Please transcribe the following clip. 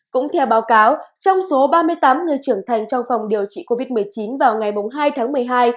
cũng theo báo cáo trong số ba mươi tám người trưởng thành trong phòng điều trị covid một mươi chín vào ngày hai tháng một mươi hai